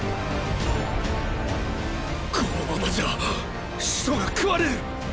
このままじゃ始祖が食われる！！